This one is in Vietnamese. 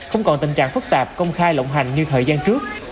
không còn tình trạng phức tạp công khai lộng hành như thời gian trước